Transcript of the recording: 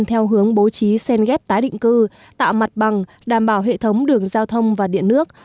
theo hướng bố trí sen ghép tái định cư tạo mặt bằng đảm bảo hệ thống đường giao thông và điện nước